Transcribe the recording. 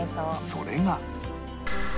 それが